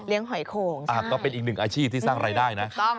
เลี้ยงหอยโขงใช่ถ้าเป็นอีกหนึ่งอาชีพที่สร้างรายได้นะถูกต้อง